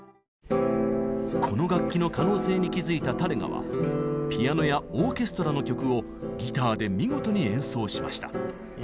この楽器の可能性に気づいたタレガはピアノやオーケストラの曲をギターで見事に演奏しました。